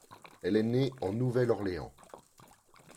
Elle est née en Nouvelle Orléans.